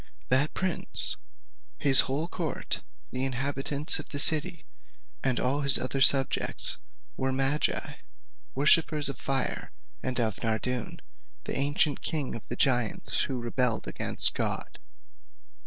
That prince, his whole court, the inhabitants of the city, and all his other subjects, were magi, worshippers of fire, and of Nardoun, the ancient king of the giants, who rebelled against God.